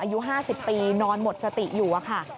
อายุ๕๐ปีนอนหมดสติอยู่อะค่ะ